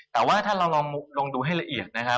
แต่ว่าถ้าเราลองดูให้ละเอียดนะครับ